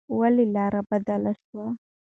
ولې لار بدله شوه؟